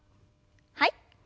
はい。